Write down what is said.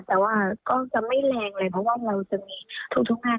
แต่ว่าก็จะไม่แรงเลยเพราะว่าเราจะมีทุกภาค